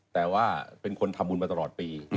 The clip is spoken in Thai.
แต่ว่าเป็นคนทำบุญมาตลอดปี